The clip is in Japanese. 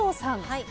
はい。